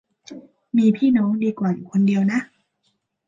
มีพี่น้องดีกว่าอยู่คนเดียวนะ